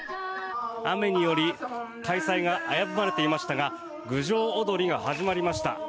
雨により開催が危ぶまれていましたが郡上おどりが始まりました。